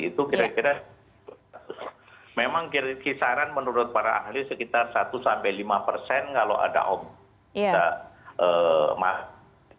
itu kira kira memang kisaran menurut para ahli sekitar satu lima persen kalau ada obat